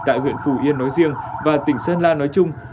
tại huyện phù yên nói riêng và tỉnh sơn la nói chung